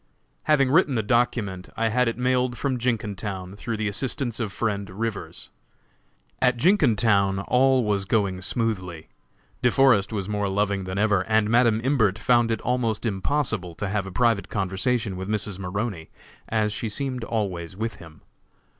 Having written the document, I had it mailed from Jenkintown, through the assistance of friend Rivers. At Jenkintown all was going smoothly. De Forest was more loving than ever, and Madam Imbert found it almost impossible to have a private conversation with Mrs. Maroney, as she seemed always with him.